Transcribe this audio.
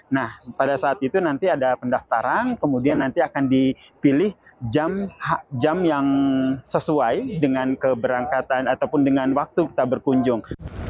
nah pada saat itu nanti ada pendaftaran kemudian nanti akan dipilih jam yang sesuai dengan keberangkatan ataupun dengan waktu kita berkunjung